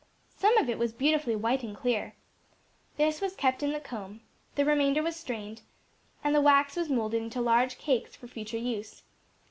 Some of it was beautifully white and clear. This was kept in the comb. The remainder was strained, and the wax was moulded into large cakes for future use.